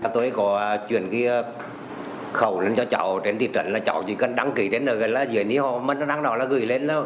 tôi có chuyển cái khẩu lên cho cháu trên thị trấn là cháu chỉ cần đăng ký đến là diễn đi hồ mất nó đăng đó là gửi lên đó